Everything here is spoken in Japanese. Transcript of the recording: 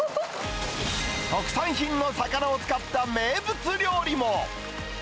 特産品の魚を使った名物料理も。